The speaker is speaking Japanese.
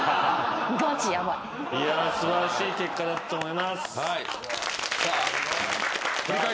素晴らしい結果だと思います。